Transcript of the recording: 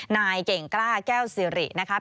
นายเก่งกล้าแก้วสิรินะครับ